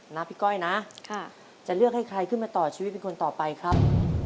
พี่ก้อยนะจะเลือกให้ใครขึ้นมาต่อชีวิตเป็นคนต่อไปครับ